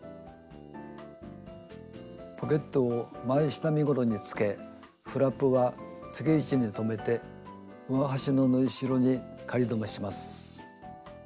ポケットを前下身ごろにつけフラップはつけ位置に留めて上端の縫いしろに仮留めします。